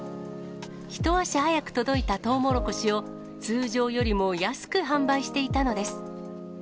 一足早く届いたとうもろこしを、通常よりも安く販売していたのです。